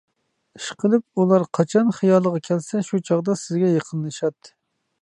ئىشقىلىپ، ئۇلار قاچان خىيالىغا كەلسە شۇ چاغدا سىزگە يېقىنلىشاتتى.